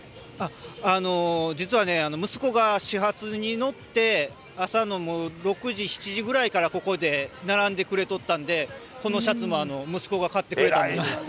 実はね、息子が始発に乗って、朝のもう６時、７時ぐらいからここで並んでくっとったんで、このシャツも息子が買ってくれたんです。